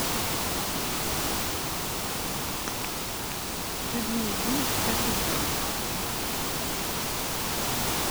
Je lui ai dit :« cette blague !